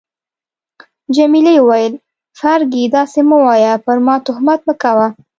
جميلې وويل: فرګي، داسي مه وایه، پر ما تهمت مه کوه.